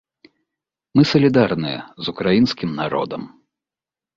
Мы салідарныя з украінскім народам!